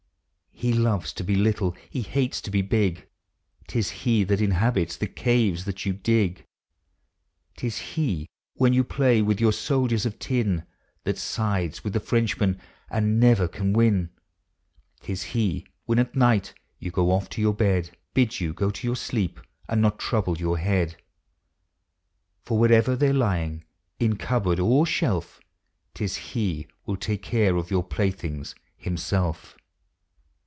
He loves to be little, he hates to be big, 'T is he that inhabits the caves that you dig; 132 POEMS OF HOME. T is he when you play with your soldiers of tin That sides with the Frenchmen and never can win. T is he, when at night you go off to your bed. Bids you go to your sleep and not trouble your head ; For wherever they're lying, in cupboard or shelf, 'T is he will take care of your playthings himself!